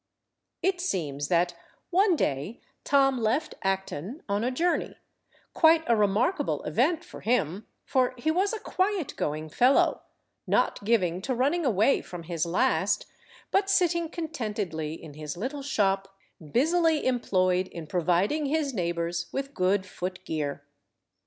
It seems that one day Tom left Acton on a journey—quite a remarkable event for him, for he was a quiet–going fellow, not given to running away from his last, but sitting contentedly in his little shop, busily employed in providing his neighbours with good foot–gear.